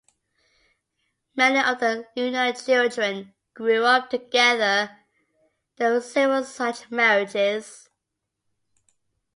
Many of the 'Lunar children' grew up together and there were several such marriages.